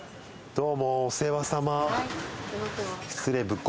どうも。